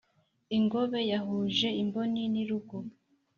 ingobe yahuje imboni n’irugu.